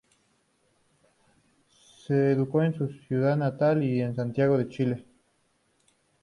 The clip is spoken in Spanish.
Se educó en su ciudad natal y en Santiago de Chile.